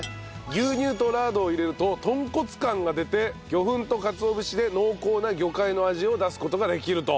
牛乳とラードを入れると豚骨感が出て魚粉とかつお節で濃厚な魚介の味を出す事ができると。